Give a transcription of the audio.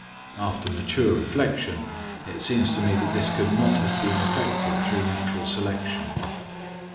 After mature reflection, it seems to me that this could not have been effected through natural selection.